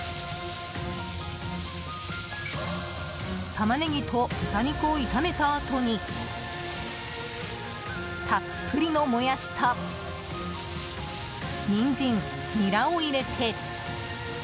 タマネギと豚肉を炒めたあとにたっぷりのモヤシとニンジン、ニラを入れて。